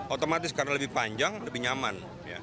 otomatis karena lebih panjang lebih nyaman